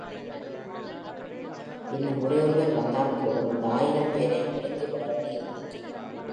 இன்னும் ஒரே ஒருவர் வந்தால் போதும் அந்த ஆயிரம் பேரையும் விழுங்கிவிட எண்ணியிருந்தது.